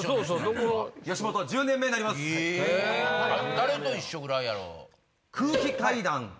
誰と一緒ぐらいやろ？